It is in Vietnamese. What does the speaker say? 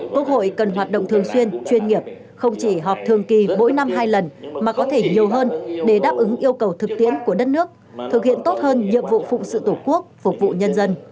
quốc hội cần hoạt động thường xuyên chuyên nghiệp không chỉ họp thường kỳ mỗi năm hai lần mà có thể nhiều hơn để đáp ứng yêu cầu thực tiễn của đất nước thực hiện tốt hơn nhiệm vụ phụng sự tổ quốc phục vụ nhân dân